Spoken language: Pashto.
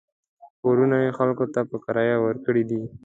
کورونه یې خلکو ته په کرایه ورکړي دي.